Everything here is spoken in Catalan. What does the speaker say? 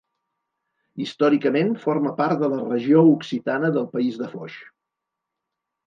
Històricament forma part de la regió occitana del país de Foix.